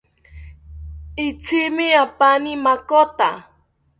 Itzimi apaani makota